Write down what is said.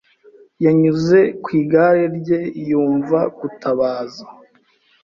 Yanyuze ku igare rye yumva gutabaza.